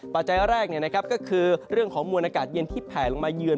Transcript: ปัจจัยแรกก็คือเรื่องของมวลอากาศเย็นที่แผลลงมาเยือน